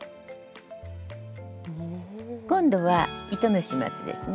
今度は糸の始末ですね。